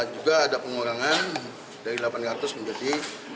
juga ada pengurangan dari delapan ratus menjadi lima ratus